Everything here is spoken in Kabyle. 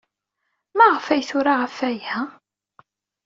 Maɣef ay tura ɣef waya?